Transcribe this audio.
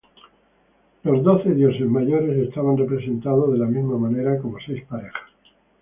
Los doce dioses mayores estaban representados de la misma manera como seis parejas.